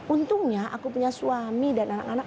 untungnya aku punya suami dan anak anak